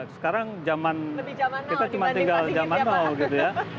sekarang zaman kita cuma tinggal zaman now gitu ya